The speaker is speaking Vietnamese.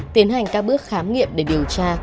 tiến hành các bước khám nghiệm để điều tra